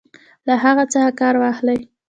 له هغه څخه کار واخلي.